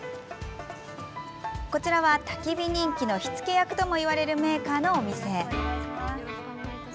こちらは、たき火人気の火付け役ともいわれるメーカーのお店。